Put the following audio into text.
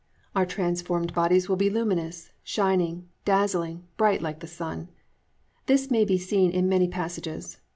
"+ 9. Our transformed bodies will be luminous, shining, dazzling, bright like the sun. This is seen in many passages.